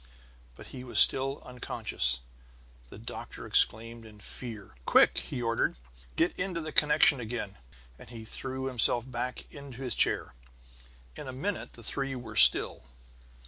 But he was still unconscious. The doctor exclaimed in fear. "Quick!" he ordered. "Into the connection again!" And he threw himself back into his chair. In a minute the three were still.